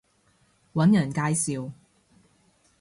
搵人介紹